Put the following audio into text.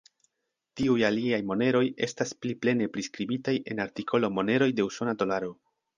Tiuj aliaj moneroj estas pli plene priskribitaj en artikolo Moneroj de usona dolaro.